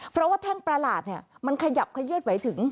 เพราะว่าแท่งประหลาดเนี่ยมันขยับขยื่นไหวถึง